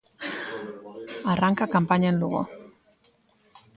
Arranca a campaña en Lugo.